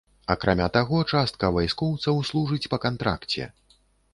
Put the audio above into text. Акрамя таго, частка вайскоўцаў служыць па кантракце.